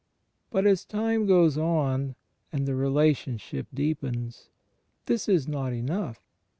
But as time goes on, and the relationship deepens, this is not enough.